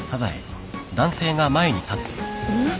うん。